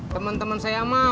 temen temen saya mah